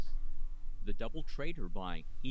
THE DOUBLE TRAITOR BY E.